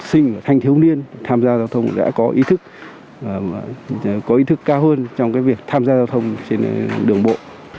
học sinh thanh thiếu niên tham gia giao thông đã có ý thức có ý thức cao hơn trong việc tham gia giao thông trên đường bộ